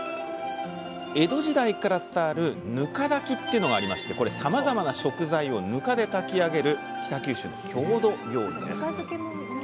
江戸時代から伝わる「ぬか炊き」っていうのがありましてこれさまざまな食材をぬかで炊き上げる北九州の郷土料理です。